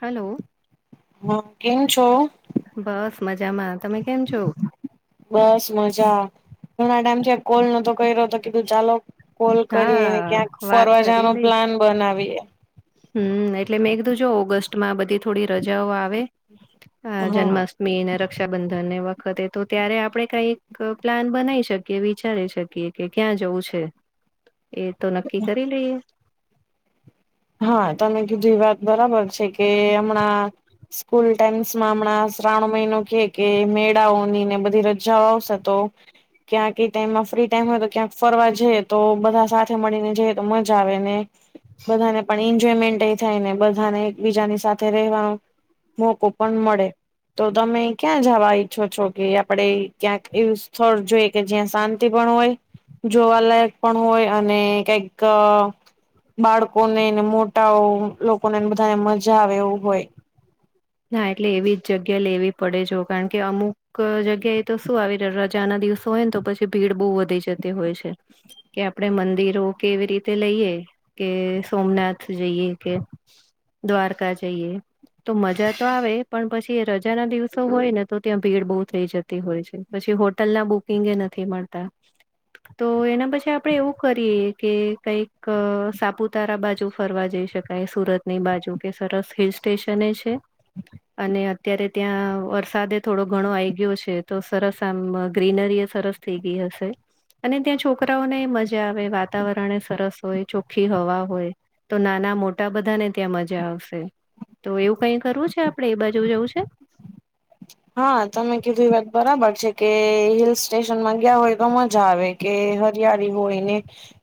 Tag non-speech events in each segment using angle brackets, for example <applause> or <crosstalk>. Hello હ કેમ છો બસ મજામાં તમે કેમ છો બસ મજા ઘણા ટાઈમથી કોલ નતો કર્યો તો કીધું ચાલો કોલ હા કરીએને ક્યાંક વાત ફરવા જવાનો પ્લાન બનાવીએ હમ્મ એટલે મેં કીધું જો ઓગસ્ટમાં બધી થોડી રજાઓ આવે હા જન્માષ્ટમી મેન રક્ષાબંધન વખતે તો ત્યારે આપડણે કઈક પ્લાન બનાવી શકીએ વિચારી શકીએ કે ક્યાં જવું છે એ તો નક્કી કરી લઈએ હા તમે કીધું એ વાત બરાબર છે કે હમણાં સ્કૂલ ટાઈમ્સમાં હમણાં શ્રાવણ મહિનો કે કે મેળાઓની ને બધી રજાઓ આવશે તો ક્યાંક એ ટાઈમમાં ફ્રી ટાઈમ હોય તો ક્યાંક ફરવા જઈએ તો બધા સાથે મળીને જઈએ તો મજા આવે ને બધાને પણ એન્જોયમેન્ટ એ થાયને બધાને એકબીજાની સાથે રહેવાનું મોકો પણ મળે તો તમે ક્યાં જવા ઈચ્છો છો કે આપડે ક્યાંક એવું સ્થળ જોઈ કે જ્યાં શાંતિ પણ હોય જોવાલાયક પણ હોય અને કંઈક બાળકોનેને મોટાઓ લોકોનેને બધાને મજા આવે એવું હોય નાા એટલે એવી જ જગ્યા લેવી પડે જો કારણ કે અમુક જગ્યાએ તો શું આવી રજાના દિવસે હોયને તો પછી ભીડ બહુ વધી જતી હોય છે કે આપણે મંદિરો કેવી રીતે લઈએ કે સોમનાથ જઈએ કે દ્વારકા જઈએ તો મજા તો આવે પણ પછી એ રજા ના દિવસો હોય ને તો ત્યાં ભીડ બહુ થઈ જતી હોય છે પછી હોટલ ના બુકિંગ એ નથી મળતા તો એના પછી આપણેે એવું કરીએ કે કઈક સાપુતારા બાજુ ફરવા જઈ શકે સુરત ની બાજુ કે સરસ હિલ સ્ટેશન છે અને અત્યારે ત્યાં વરસાદ થોડો ઘણો આઈ ગયો છે તો સરસ આમ ગ્રીનરી એ સરસ થઈ ગઈ હશે અને ત્યાં છોકરાઓને મજા આવે વાતાવરણ એ સરસ હોય ચોખ્ખી હવા હોય તો નાના મોટા બધાને ત્યાં મજા આવશે તો એવું કઈ કરવું છે આપડણે એ બાજુ જવું છે હા તમે કીધું એ વાત બરાબર છે કે હિલ સ્ટેશન માં ગયા હોય તો મજા આવે કે હરિયાળી હોળલીને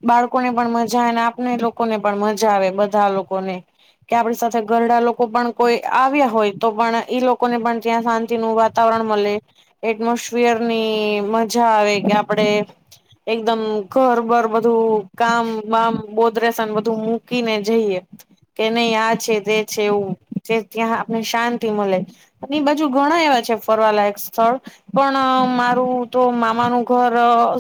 બાળકોને પણ મજા આવે ને આપને લોકોને પણ મજા આવે બધા લોકોને કે આપડી સાથે ગરડા લોકો પણ કોઈ આવ્યા હોય તો પણ ઈ લોકોને પણ ત્યાં શાંતિ નું વાતાવરણ મળે એટમોસ્ફિયર ની મજા આવે કે આપડે એકદમ ઘર બર બધું કામ બામ બોદરસન બધું મૂકી ને જઈએ કે નહી આ છે તે છે એવું તે ત્યાં આપને શાંતિ મળે એની બાજુ ઘણા એવા છે ફરવાલાયક સ્થળ પણ મારું તો મામાનું ઘર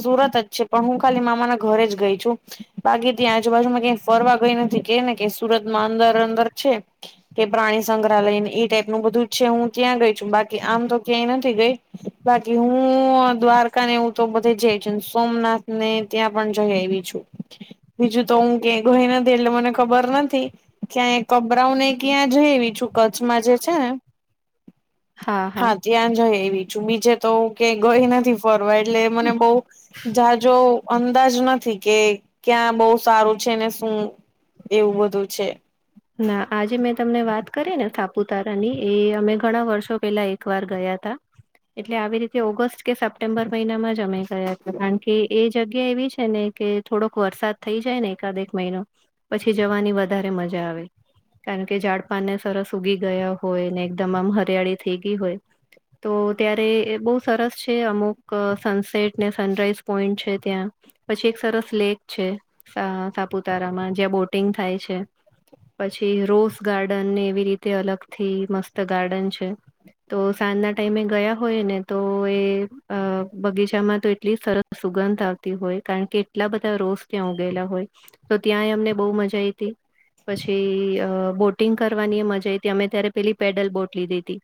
સુરત જ છે પણ હું ખાલી મામાના ઘરે જ ગઈ છું બાકી ત્યાં આજુબાજુમાં ક્યા ફરવા ગઈ નથી કે ને કે સુરત માં અંદર અંદર છે કે પ્રાણી સંગ્રહાલય એ ટાઈપ નું બધું છે હું ત્યાં ગઈ છું બાકી આમ તો ક્યાંય નથી ગઈ બાકી હું દ્વારકા ને એવું તો બધે જઈ છ સોમનાથ ને ત્યાં પણ જઈ એવી છું બીજું તો હું ક ગઈ નથી એટલે મને ખબર નથી ક્યાંય કભરાઉ ને ક્યાં જઈવી છું કચ્છમાં જે છે ને હા ત્યાં જઈ એવી છું બીજે તો કે ગઈ નથી ફોરવર્ડ એટલે મને બહ જાજો અંદાજ નથી કે ક્યાં બહુ સારું છે ને શું એવું બધું છે ના આજે મેં તમને વાત કરી ને થાપુતારા ની એ અમે ઘણા વર્ષો પેલા એક વાર ગયા હતા એટલે આવી રીતે ઓગસ્ટ કે સપ્ટેમ્બર મહિનામાં જ અમાઈ ગયા હતા કારણ કે એ જગ્યા એવી છે ને કે થોડોક વરસાદ થઈ જાય ને એકાદ એક મહિનો પછી જવાની વધારે મજા આવે કારણ કે ઝાડ પાાન ને સરસ ઉગી ગયા હોય ને એકદમ આમ હરિયાળી થઈ ગઈ હોય તો ત્યારે એ બહુ સરસ છે અમુક સનસેટ ને સનરાઈઝ પોઈન્ટ છે ત્યાં પછી એક સરસ લેક છે સાપુતારામાં જ્યાં બોટિંગ થાય છે પછી રોઝ ગાર્ડન ને એવી રીતે અલગ થી મસ્ત ગાર્ડન છે તો સાંજના ટાઈમે ગયા હોય ને તો એ બગીચામાં તો એટલી સરસ સુગંધ આવતી હોય કારણ કે એટલા બધા રોઝ ત્યાં ઉગયેલા હોય તો ત્યાંય અમને બહુ મજા આઈ હતી જે બોટિંગ કરવાની મજાઈ હતી અમે ત્યારે પેલી પેડલ બોટ લીધી હતી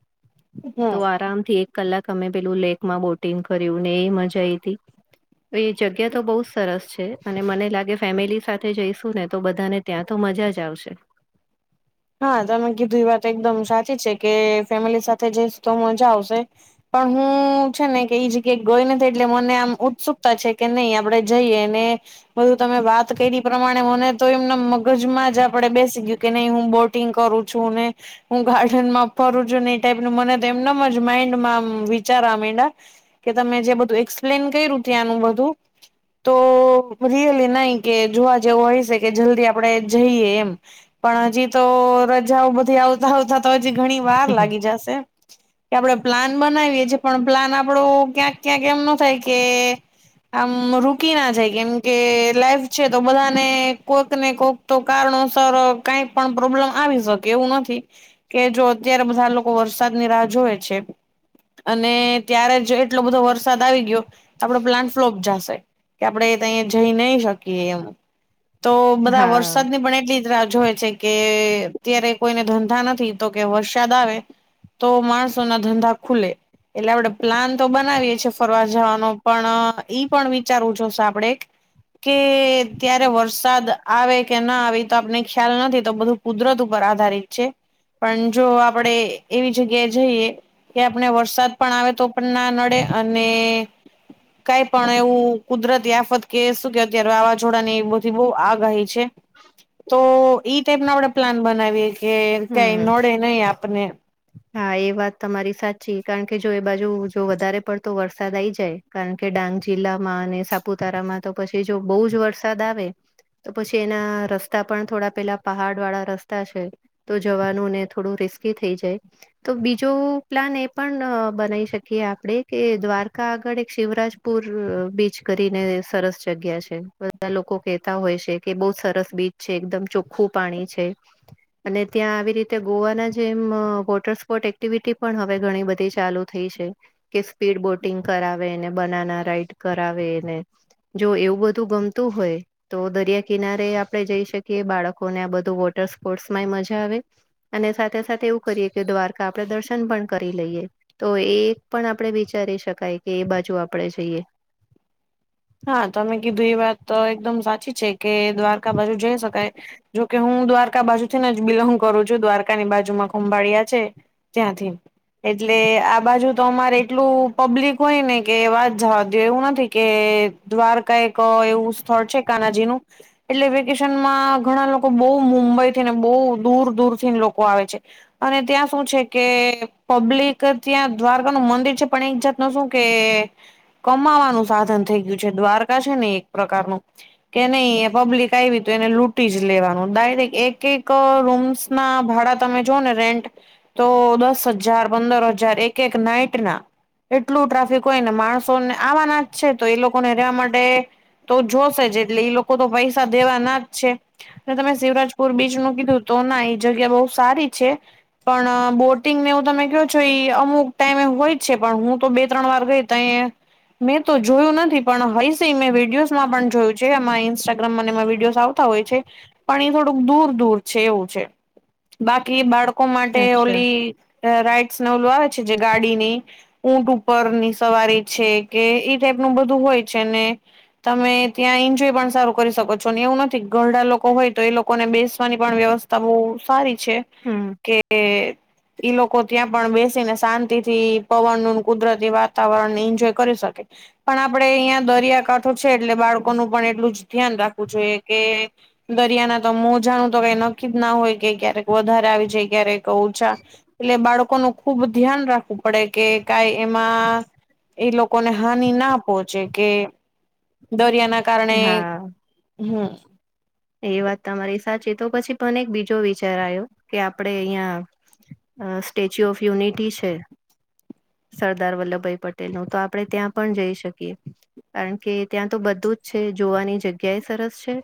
હમ તો આરામ થી એક કલાક અમે પેલું લેકમાં બોટિંગ કર્યું ને એ મજા આઈ હતીી એ જગ્યા તો બહુ જ સરસ છે અને મને લાગે ફેમિલી સાથે જઈશું ને તો બધાને ત્યાં તો મજા જ આવશે હા તમે કીધું એ વાત એકદમ સાચી છે કે ફેમિલી સાથે જઈશ તો મજા આવશે પણ હું છે ને કે એઈ જગ્યાએ ગઈ નથી એટલે મને આમ ઉત્સુકતા છે કે નહી આપડે જઈએ ને બધું તમે વાત કરી પ્રમાણે મને તો એમનમ મગજમાં જ આપણેે બેસી ગયું કે નહી હું બોર્ડ ગ કરુ છું ને હું ગાર્ડનમાં ફરું છું ને એ ટાઈપનું મને તો એમના જ માઈન્ડમાં વિચારા આવા મંડા કે તમે જે બધું એક્સપ્લેન કર્યું ત્યાંનું બધું તો રિયલી નહી કે જોવા જેવો હોય છે કે જલ્દી આપણેે જઈએ એમ પણ હજી તો રજાઓ બધી આવતા આવતા તો હજી ઘણી વાર લાગી જશે. કે આપણેે પ્લાન બનાવીએ છીએ પણ પ્લાન આપડો ક્યાંક ક્યાંક એમ ન થાય કે આમ રૂકી ના જાય કેમ કે લાઈફ છે તો બધાને કોઈક ને કોઈક તો કારણોસર કંઈક પણ પ્રોબ્લમ આવી શકે એવું નથી. કે જો અત્યારે બધા લોકો વરસાદ ની રાહ જોવે છે અને ત્યારે જ એટલો બધો વરસાદ આવી ગયો આપડો પ્લાન્ટ ફ્લોપ જશે કે આપડે એ તો અહી જઈ નહી શકીએ એમ તો બધા હા. વરસાદની પણ એટલી રાહ જોવે છે કે અત્યારે કોઈને ધંધા નથી તો કે વરસાદ આવે તો માણસો ના ધંધા ખુલે એટલે આપડે પ્લાન તો બનાવીએ છીએ ફરવા જવાનો પણ ઈ પણ વિચારવું જોશે આપડે કે ત્યારે વરસાદ આવે કે ના આવે તો આપને ખ્યાલ નથી તો બધું કુદરત ઉપર આધારિત છે પણ જો આપણેે એવી જગ્યાએ જઈએ કે આપણે વરસાદ પણ આવે તો પણ ના નડે અને કઈ પણ એવું કુદરતી આફત કે શું કે અત્યારે વાવાઝોડા ની બધી બહુ આગાહી છે તો ઈ ટાઈપ નો આપડે પ્લાન બનાવીએ કે કાંઈ હમ. નડે નહી આપને હા એ વાત તમારી સાચી કારણ કે જો એ બાજુ જો વધારે પડતો વરસાદ આઈ જાય કારણ કે ડાંગ જિલ્લામાં અને સાપુતારામાં તો પછી જો બહુ જ વરસાદ આવે તો પછી એના રસ્તા પણ થોડા પેલા પહાડ વાળા રસ્તા છે. તો જવાનું ને થોડું રિસ્કી થઈ જાય તો બીજો પ્લાન એ પણ બનાવી શકીએ આપડે કે દ્વારકા આગળ એક શિવરાજ પુર બીચ કરીને સરસ જગ્યા છે બધા લોકો કેહેતા હોય છે કે બહુ સરસ બીચ છે એકદમ ચોખ્ખું પાણી છે. અને ત્યાં આવી રીતે ગોવાના જેમ વોટર સ્પોર્ટ એક્ટિવિટી પણ હવે ઘણી બધી ચાલુ થઈ છે કે સ્પીડ બોટિંગ કરાવે એને બનાના રાઈડ કરાવેને જો એવું બધું ગમતું હોય તો દરિયા કિનારે આપણે જઈ શકીએ બાળકોને આ બધું વોટર સ્પોર્ટ્સ માંય મજા આવે અને સાથે સાથે એવું કરીએ કે દ્વારકા આપણે દર્શન પણ કરી લઈએ. તો એ એક પણ આપણે વિચારી શકાય કે એ બાજુ આપણેે જઈએ. હા તમે કીધું એ વાત એકદમ સાચી છે કે દ્વારકા બાજુ જઈ શકાય જોકે હું દ્વારકા બાજુ થીને જ બિલોંગ કરું છું. દ્વારકાની બાજુમાં ખંભાળિયા છે. ત્યાંથી એટલે આ બાજુ તો અમારે એટલું પબ્લિક હોય ને કે વાત જવા દો એવું નથી કે દ્વારકા એવું સ્થળ છે કાનાજી નું એટલે વેકેશનમાં ઘણા લોકો બહુ મુંબઈ થીને બહુ દૂર દૂર થી લોકો આવે છે. અને ત્યાં શું છે કે પબ્લિક ત્યાં દ્વારકાનું મંદિર છે પણ એક જાત નું શું કે કમાવાનું સાધન થઈ ગયું છે દ્વારકા છે ને એક પ્રકારનું કે નહી એ પબ્લિક આવી તો એને લૂટી જ લેવાનું ડાયરેક એક એક રૂમસ ના ભાડા તમે જોઓ ને રેન્ટ તો દસ હજાર પંદર હજાર એક એક નાઈટ ના એટલું ટ્રાફિક હોય ને માણસો ને આવાના જ છે તો એ લોકો લોકોને રેવા માટે તો જોશે જ એટલે લોકો તો પૈસા દેવા ના જ છે તમે શિવરાજપુર બીચ નું કીધું તો ના એ જગ્યા બહુ સારી છે. પણ બોટિંગ ને એવું તમે કહો છો અમુક ટાઈમે એ હોય જ છે પણ હું તો બે ત્રણ વાર ગઈ તયે મેં તો જોયું નથી. પણ હયસમેં વિડીયોઝમાં પણ જોયું છે અમા ઇન્સ્ટાગ્રામ વિડીયોસ આવતા હોય છે. પણ એ થોડુંક દૂર દૂર છે એવું છે બાકી બાળકો માટે અચ્છા ઓલી રાઈટ્સ નવલું આવે છે જે ગાડી ની ઊંટ ઉપરની સવારી છે કે ઈ ટાઈપનું બધું હોય છે ને તમે ત્યાં એન્જોય પણ સારું કરી શકો છો એવું નથી ઘરડા લોકો હોય તો એ લોકો ને બેસવાની પણ વ્યવ <unintelligible> સારી છે હમ કે ઈ લોકો ત્યાં પણ બેસીને શાંતિ થી પવનનું કુદરતી વાતાવરણ એન્જોય કરી શકે. પણ આપડે અહિયાં દરિયાકાંઠો છે એટલે બાળકોનું પણ એટલું જ ધ્યાન રાખવું જોઈએ કે દરિયાના તો મોજાનું તો કઈ નક્કી જ ના હોય કે ક્યારેક વધારે આવી જાય ક્યારેક ઓછા એટલે બાળકોનું ખુબ ધ્યાન રાખવું પડે કે કાઈ એમાં એ લોકોને હાનિ ના પહોંચે. કે દરિયાના કારણે હા હમ એ વાત તમારી સાચી તો પછી પણ એક બીજો વિચાર આવ્યો કે આપડે અહિયાં. અ સ્ટેચ્યુ ઓફ યુનિટી છે. સરદાર વલ્લભભાઈ પટેલ નું તો આપડણે ત્યાં પણ જઈ શકીએ. કારણ કે ત્યાં તો બધું જ છે જોવાની જગ્યાએ સરસ છે.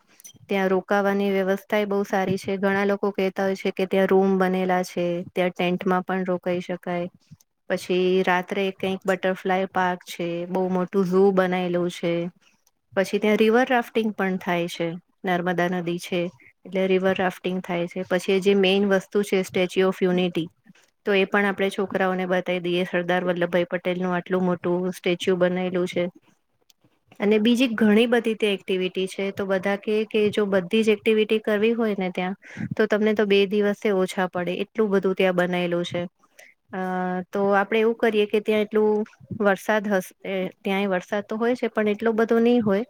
ત્યાં રોકાવાની વ્યવસ્થા બહુ સારી છે ઘણા લોકો કહેતા હોય છે કે ત્યાં રૂમ બનેલા છે. ત્યાં ટેન્ટમાં પણ રોકાઈ શકાય પછી રાત્રે કઈક બટરફ્લાય પાર્ક છે બહુ મોટું ઝુ બનાયલું છે. પછી ત્યાં રિવર રાફ્ટિંગ પણ થાય છે નર્મદા નદી છે. એટલે રિવર રાફ્ટિંગ થાય છે પછી જે મેઈન વસ્તુ છે સ્ટેચ્યુ ઓફ યુનિટી તો એ પણ આપણે છોકરાઓને બતાવી દઈએ સરદાર વલ્લભભાઈ પટેલનું આટલું મોટું સ્ટેચ્યુ બનેલું છે. અને બીજી ઘણી બધી તે એક્ટિવિટી છે તો બધા કે કે જો બધી જ એક્ટિવિટી કરવી હોય ને ત્યાં તો તમને તો બે દિવસ ઓછા પડે એટલું બધું ત્યાં બનાયલું છે અ તો આપડે એવું કરીએ કે ત્યાં એટલું વરસાદ હશે ત્યાંય વરસાદ તો હોય છે પણ એટલો બધો નહી હોય.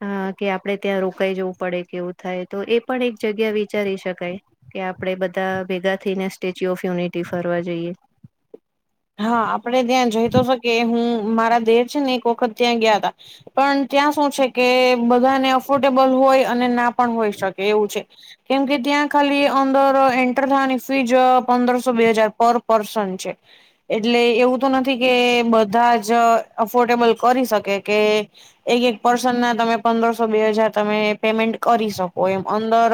અ કે આપડે ત્યાં રોકાઈ જવું પડે કેવું થાય તો એ પણ એક જગ્યા વિચારી શકાય. કે આપડે બધા ભેગા થઈ ને સ્ટેચ્યુ ઓફ યુનિટી ફરવા જઈએ. હા આપડે ત્યાં જઈતો શકે હું મારા દેર છે ને એક વખત ત્યાં ગ્યાતા. પણ ત્યાં શું છે કે બધાને અફોર્ડેબલ હોય અને ના પણ હોય શકે એવું છે. કેમ કે ત્યાં ખાલી અંદર એન્ટર થવાની ફીઝ પંદરસો બે હજાર પર પર્સન છે. એટલે એવું તો નથી કે બધા જ અફોર્ડેબલ કરી શકે કે એક એક પર્સન ના તમે પંદરસો બે હજાર તમે પેમેન્ટ કરી શકો એમ અંદર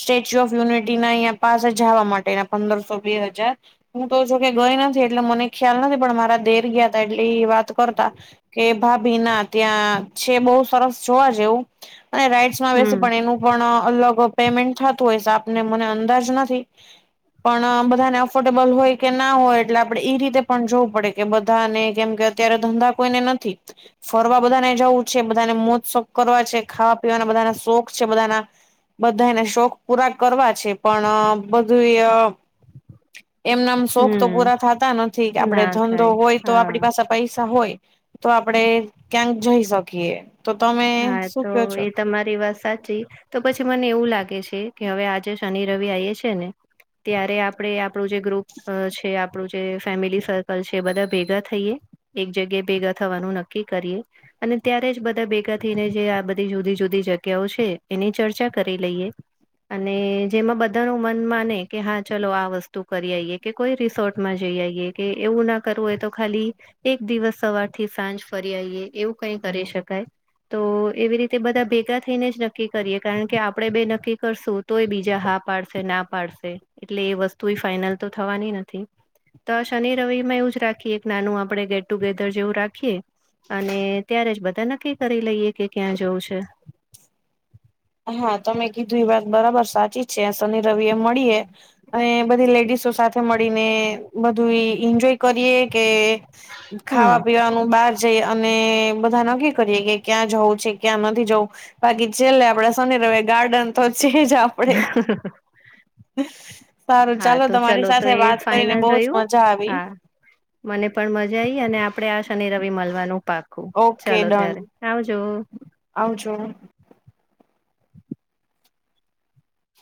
સ્ટેચ્યુ ઓફ યુનિટી ના અહયા પાસે જવા માટેના પંદરસો બે હજાર હું તો જો કે ગઈ નથી એટલે મને ખ્યાલ નથી પણ મારા દેર ગયા ત એટલે વાત કરતા કે ભાભીના ત્યાં છે બહુ સરસ જોવા જેવું અને રાઈડ્સમાં હમ વસે પણ એનું પણ અલગ પેમેન્ટ થતું હોય છે આપને મને અંદાજ નથી. પણ બધાને એફોર્ડેબલ હોય કે ના હોય એટલે આપણે એ રીતે પણ જોવું પડે કે બધાને કેમ કે અત્યારે ધંધા કોઈને નથી. ફરવા બધાને જવું છે બધાને મોત્સક કરવા છે ખાવા પીવાના બધાના શોખ છે બધાના બધાને શોખ પૂરા કરવા છે પણ બધુય એમનામ શોખ તો પૂરા હમ થાતા નથી કે આપડે ના ધંધો થાય હોય તો હા આપડી પાસે સ પૈસા હોય તો આપડે ક્યાંક જઈ શકીએ. તો તમે હા શું તો કયો છો એ તમારી વાત સાચી તો પછી મને એવું લાગે છે કે હવે આજે શનિ રવિ આયવો છે ને ત્યારે આપડે આપણું જે ગ્રુપ છે. આપણું જે ફેમિલી સર્કલ છે બધા ભેગા થઈએ એક જગ્યાએ ભેગા થવાનું નક્કી કરીએ. અને ત્યારે જ બધા ભેગા થી ને જે આ બધી જુદી જુદી જગ્યાઓ છે એની ચર્ચા કરી લઈએ. અને જેમાં બધા ન મન માને કે હા ચલો આ વસ્તુ કરી આવીઈએ કે કોઈ રિસોર્ટમાં જઈ આવીઈએ કે એવું ના કરવું હોય તો ખાલી એક દિવસ સવાર થી સાંજ ફરી આવીઈએ એવું કઈ કરી શકાય. તો એવી રીતે બધા ભેગા થઈને જ નક્કી કરીએ કારણ કે આપણેે બે નક્કી કરશું તોય બીજા હા પાડશે ના પાડશે એટલે એ વસ્તુ ફાઈનલ તો થવાની નથી તો શનિ રવિમાં એવ જ રાખએ એક નાનું આપણે ગેટ ટુગેધર જેવું રાખીએ અને ત્યારે જ બધા નક્કી કરી લઈએ કે ક્યાં જવું છે હા તમે કીધું એ વાત બરાબર સાચી છે શનિ રવિ એમ મળીએ અને બધી લેડીસો સાથે મળીને બધું એન્જોય કરીએ કે હમ ખાવા પીવાનું બાદ જઈ અને બધા નકી કરીએ કે ક્યાં જવું છે ક્યાં નથી જવું બાકી છેટલે આપડે ર ગાર્ડન તો ચેજ હ સારું હા ચાલો તો તમારી ચલો તો સાથે એ વાત કરીને ફાઈનલ બહુ જ રહ્યું મજા આવી હા મને પણ મજા આઈ અને આપડે આ શનિ રવિ મળવાનું પાકું ઓકે ચાલો ડન ત્યારે હજો આવજો